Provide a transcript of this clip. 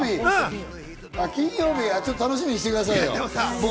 金曜日はね、楽しみにしてくださいよ。